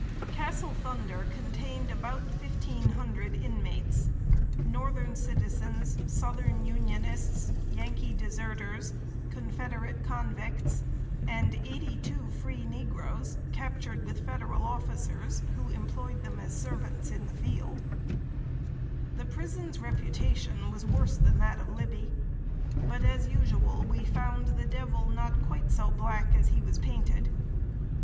Castle Thunder contained about fifteen hundred inmates northern citizens, southern Unionists, Yankee deserters, Confederate convicts, and eighty two free negroes, captured with Federal officers, who employed them as servants in the field. [Sidenote: MORE ENDURABLE THAN LIBBY.] The prison's reputation was worse than that of Libby; but, as usual, we found the devil not quite so black as he was painted.